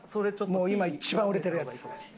もう今一番売れてるやつ。